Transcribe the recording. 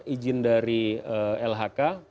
ijin dari lhk